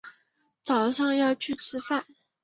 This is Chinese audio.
早上要去吃饭